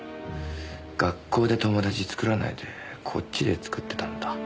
学校で友達作らないでこっちで作ってたんだ。